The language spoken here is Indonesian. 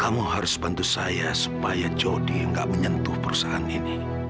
kamu harus bantu saya supaya jody gak menyentuh perusahaan ini